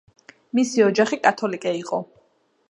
მისი ოჯახი კათოლიკე იყო.